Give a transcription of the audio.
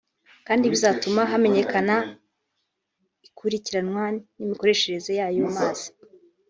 kandi bizatuma hamenyekana ikurikiranwa n’imikoreshereze y’ayo mazi